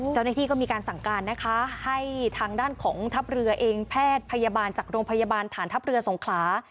เจ้าหน้าที่ก็มีการสั่งการนะคะให้ทางด้านของทัพเรือเองแพทย์พยาบาลจากโรงพยาบาลฐานทัพเรือสงขลา